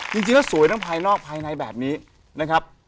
จริงแล้วสวยทั้งภายนอกภายในแบบนี้นะครับ